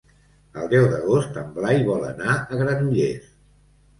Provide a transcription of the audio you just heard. El deu d'agost en Blai vol anar a Granollers.